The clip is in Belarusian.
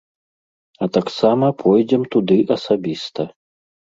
А таксама пойдзем туды асабіста.